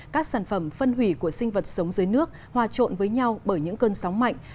các sản phẩm phân hủy của sinh vật sống dưới nước hòa trộn với nhau bởi những cơn sóng mạnh